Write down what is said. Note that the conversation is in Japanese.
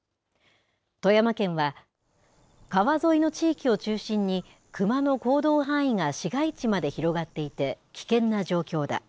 富山県は、川沿いの地域を中心にクマの行動範囲が市街地まで広がっていて、危険な状況だ。